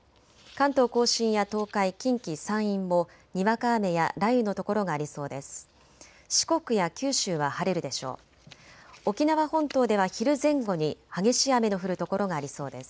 関東甲信や東海、近畿、山陰もにわか雨や雷雨の所がありそうです。